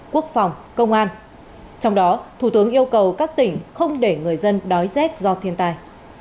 quốc phòng công an trong đó thủ tướng yêu cầu các tỉnh không để người dân đói rét do thiên tai